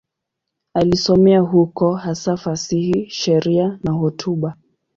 Alisomea huko, hasa fasihi, sheria na hotuba.